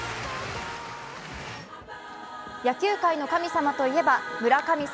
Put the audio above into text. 野球界の神様といえば村神様